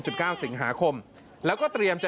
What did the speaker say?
เก้าสิงหาคมแล้วก็เตรียมจะ